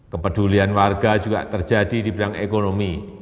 kepedulian warga juga terjadi di bidang ekonomi